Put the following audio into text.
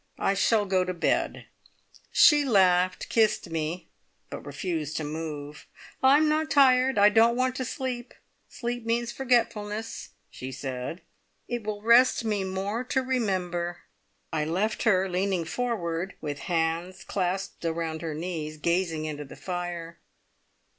I shall go to bed." She laughed, kissed me, but refused to move. "I'm not tired. I don't want to sleep. Sleep means forgetfulness," she said. "It will rest me more to remember!" I left her leaning forward, with hands clasped round her knees, gazing into the fire.